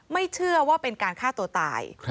ไม่เชื่อว่าเป็นการฆ่าตัวตาย